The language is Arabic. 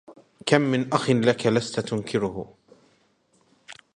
كم من أخ لك لست تنكره